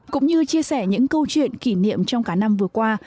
cũng như chia sẻ những câu chuyện kỷ niệm trong cả năm vừa qua